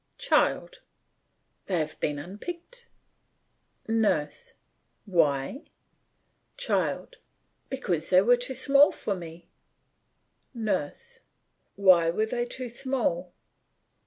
CHILD: They have been unpicked. NURSE: Why! CHILD: Because they were too small for me. NURSE: Why were they too small?